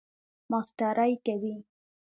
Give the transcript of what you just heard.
ماسټری کوئ؟